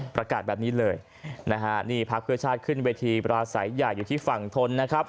ประกาศแบบนี้เลยนะฮะนี่พักเพื่อชาติขึ้นเวทีปราศัยใหญ่อยู่ที่ฝั่งทนนะครับ